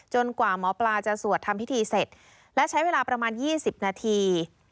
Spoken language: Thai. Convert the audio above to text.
กว่าหมอปลาจะสวดทำพิธีเสร็จและใช้เวลาประมาณ๒๐นาที